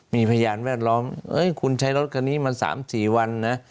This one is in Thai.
มีพยานแวดล้อมคุณใช้รถคันนี้มา๓๔วันนะ